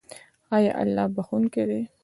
آیا الله بخښونکی دی؟